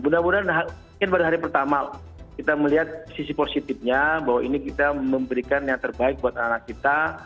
mudah mudahan mungkin pada hari pertama kita melihat sisi positifnya bahwa ini kita memberikan yang terbaik buat anak kita